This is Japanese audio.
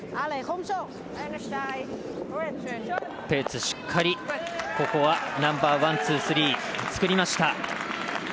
ペーツ、ここはしっかりナンバー、ワン、ツー、スリー作りました。